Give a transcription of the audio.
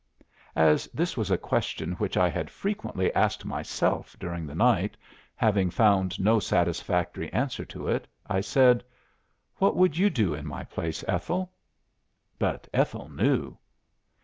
'" "As this was a question which I had frequently asked myself during the night, having found no satisfactory answer to it, I said: 'What would you do in my place, Ethel?' But Ethel knew."